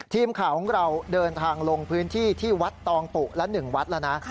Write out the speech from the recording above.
ทีมข่าวของเราเดินทางลงพื้นที่ที่วัดตองปุและ๑วัดแล้วนะ